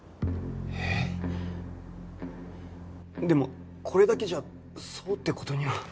でもこれだけじゃそうって事には。